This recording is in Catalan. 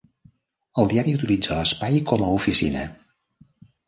El diari utilitza l'espai com a oficina.